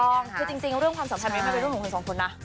ถูกต้องคือจริงเรื่องความสัมพันธ์นี้มันเป็นเรื่องของคนสองคนนะ